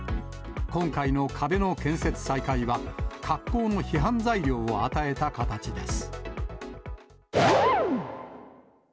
今回の壁の建設再開は、格好の批判材料を与えた形です。